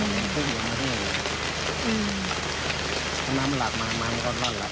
แล้วตอนนี้หน่วยซิลเขาอยู่ตรงไหนคะออกมาปากถ้ำแล้วเหมือนกัน